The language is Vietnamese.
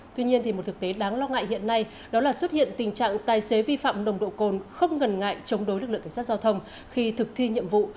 tuy nhiên một thực tế đáng lo ngại hiện nay đó là xuất hiện tình trạng tài xế vi phạm nồng độ cồn không ngần ngại chống đối lực lượng cảnh sát giao thông khi thực thi nhiệm vụ